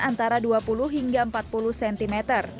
antara dua puluh hingga empat puluh cm